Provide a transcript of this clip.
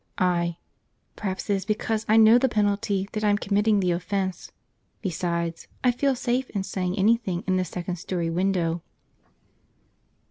I. "Perhaps it is because I know the penalty that I'm committing the offence. Besides, I feel safe in saying anything in this second story window."